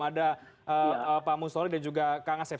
ada pak musnoli dan juga kak ngasep